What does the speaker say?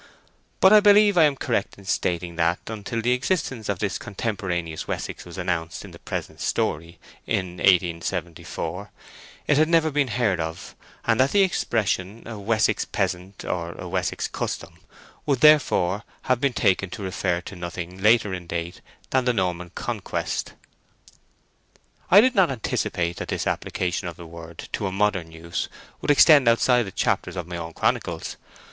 But I believe I am correct in stating that, until the existence of this contemporaneous Wessex was announced in the present story, in 1874, it had never been heard of, and that the expression, "a Wessex peasant," or "a Wessex custom," would theretofore have been taken to refer to nothing later in date than the Norman Conquest. I did not anticipate that this application of the word to a modern use would extend outside the chapters of my own chronicles.